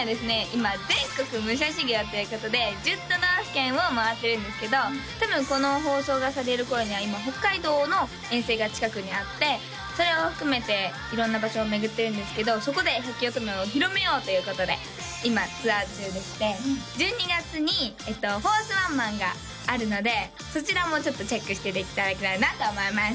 今全国武者修行ということで１０都道府県を回ってるんですけど多分この放送がされる頃には今北海道の遠征が近くにあってそれを含めて色んな場所を巡ってるんですけどそこで百鬼乙女を広めようということで今ツアー中でして１２月に４ｔｈワンマンがあるのでそちらもちょっとチェックしていただきたいなと思います